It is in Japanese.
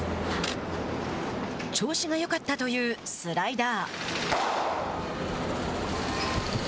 調子がよかったというスライダー。